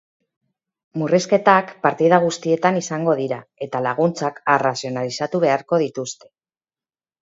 Murrizketak partida guztietan izango dira, eta laguntzak arrazionalizatu beharko dituzte.